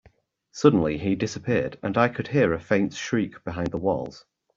Suddenly, he disappeared, and I could hear a faint shriek behind the walls.